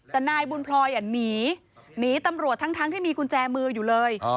แต่นายบุญพลอยหนีหนีตำรวจทั้งที่มีกุญแจมืออยู่เลย